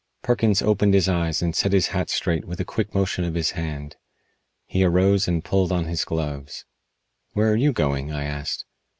Perkins opened his eyes and set his hat straight with a quick motion of his hand. He arose and pulled on his gloves. "Where are you going?" I asked.